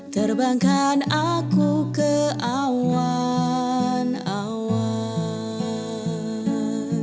terbangkan aku ke awan awan